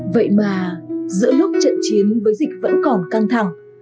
vậy mà giữa lúc trận chiến với dịch vẫn còn căng thẳng